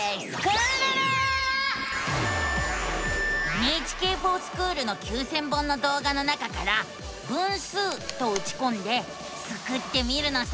「ＮＨＫｆｏｒＳｃｈｏｏｌ」の９，０００本の動画の中から「分数」とうちこんでスクってみるのさ！